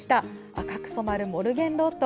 赤く染まるモルゲンロート。